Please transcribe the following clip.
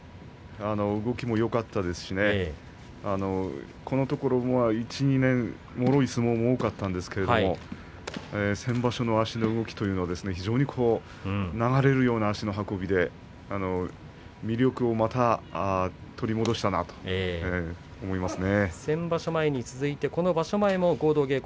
動きもよかったですしこのところ１、２年もろい相撲も多かったんですが先場所の足の動きというのは非常に流れるような足の運びで魅力をまた取り戻したなと思いますね。